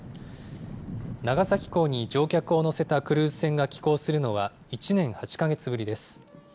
長崎港に乗客を乗せたクルーズ船が寄港するのは、１年８か月ぶりです。